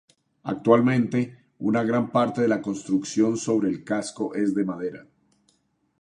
Actualmente, una gran parte de la construcción sobre el casco es de madera.